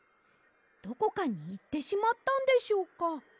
どこかにいってしまったんでしょうか？